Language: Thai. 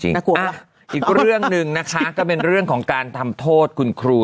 น่ากลัวอีกเรื่องหนึ่งนะคะก็เป็นเรื่องของการทำโทษคุณครู